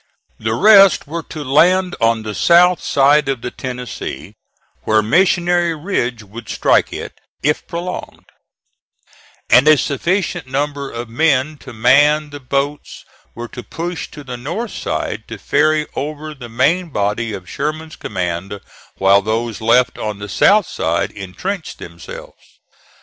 The rest were to land on the south side of the Tennessee, where Missionary Ridge would strike it if prolonged, and a sufficient number of men to man the boats were to push to the north side to ferry over the main body of Sherman's command while those left on the south side intrenched themselves.